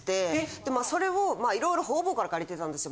でまあそれをいろいろ方々から借りてたんですよ。